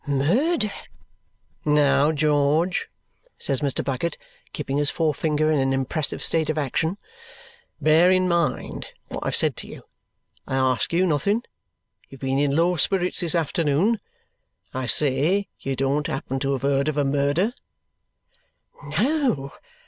"Murder!" "Now, George," says Mr. Bucket, keeping his forefinger in an impressive state of action, "bear in mind what I've said to you. I ask you nothing. You've been in low spirits this afternoon. I say, you don't happen to have heard of a murder?" "No.